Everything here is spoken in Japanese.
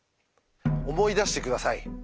思い出して下さい。